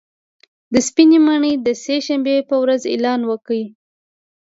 سپینې ماڼۍ د سې شنبې په ورځ اعلان وکړ